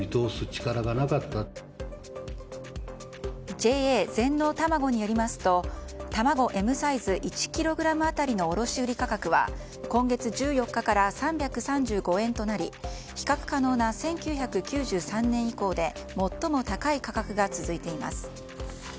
ＪＡ全農たまごによりますと卵Ｍサイズ１ｋｇ当たりの卸売価格は今月１４日から３３５円となり比較可能な１９９３年以降で最も高い価格が続いています。